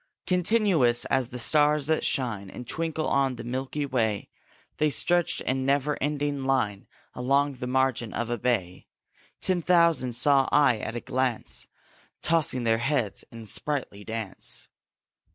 Continuous as the stars that shine And twinkle on the milky way, They stretched in never ending line Along the margin of a bay : Ten thousand saw I at a glance, Tossing their heads in sprightly dance.